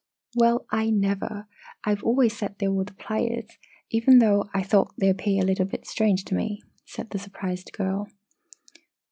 "Well, I never! I've always said they were the Pleiades even though I thought they appeared a bit strange to me," said the surprised girl.